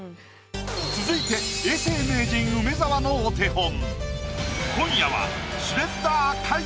続いて永世名人梅沢のお手本。